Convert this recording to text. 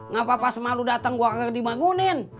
gapapa pas emak lu dateng gua gak dimanggunin